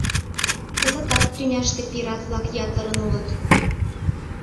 Кызытат тӱняште пират-влак ятырын улыт.